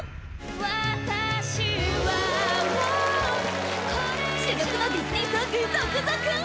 私は、もう至極のディズニーソング続々！